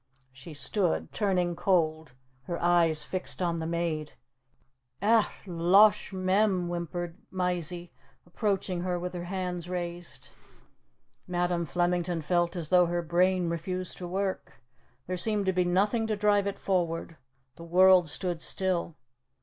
She stood, turning cold, her eyes fixed on the maid. "Eh losh, mem!" whimpered Mysie, approaching her with her hands raised. Madam Flemington felt as though her brain refused to work. There seemed to be nothing to drive it forward. The world stood still.